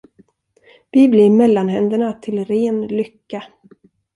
Vi blir mellanhänderna till ren lycka.